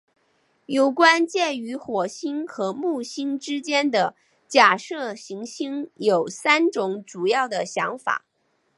有关于介于火星和木星之间的假设行星有三种主要的想法。